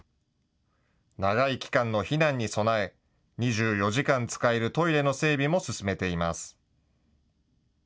長い期間の避難に備え２４時間使えるトイレの整備も進めています。